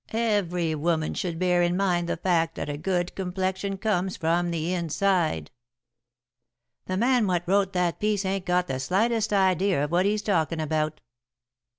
Every woman should bear in mind the fact that a good complexion comes from the inside.'" "The man what wrote that piece ain't got the slightest idea of what he's talkin' about."